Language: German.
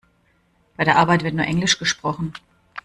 Bei der Arbeit wird nur Englisch gesprochen.